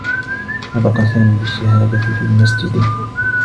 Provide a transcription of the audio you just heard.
نطق سامي بالشّهادة في المسجد.